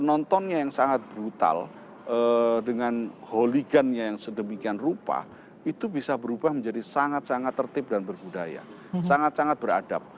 penontonnya yang sangat brutal dengan holigan yang sedemikian rupa itu bisa berubah menjadi sangat sangat tertib dan berbudaya sangat sangat beradab